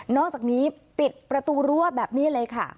อกจากนี้ปิดประตูรั้วแบบนี้เลยค่ะ